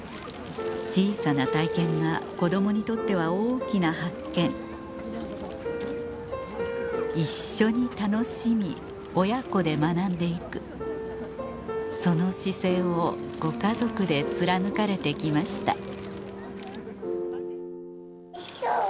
小さな体験が子供にとっては大きな発見一緒に楽しみ親子で学んで行くその姿勢をご家族で貫かれて来ました